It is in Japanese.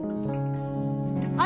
あれ？